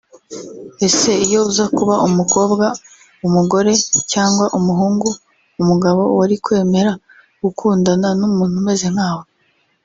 Ese iyo uzakuba umukobwa/umugore cyangwa umuhungu/umugabo wari kwemera gukundana n’umuntu umeze nkawe